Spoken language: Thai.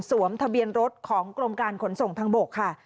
ทะเบียนรถของกรมการขนส่งทางบกค่ะ